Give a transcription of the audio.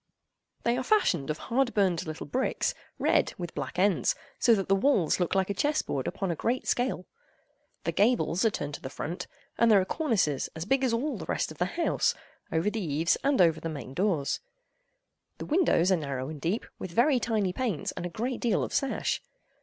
They are fashioned of hard burned little bricks, red, with black ends, so that the walls look like a chess board upon a great scale. The gables are turned to the front, and there are cornices, as big as all the rest of the house, over the eaves and over the main doors. The windows are narrow and deep, with very tiny panes and a great deal of sash.